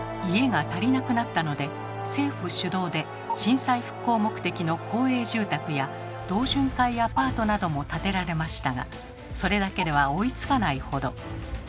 家が足りなくなったので政府主導で震災復興目的の公営住宅や同潤会アパートなども建てられましたがそれだけでは追いつかないほど。